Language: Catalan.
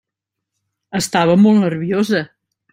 Estava molt nerviosa.